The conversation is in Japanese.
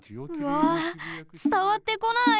うわつたわってこない！